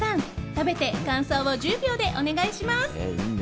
食べて感想を１０秒でお願いします。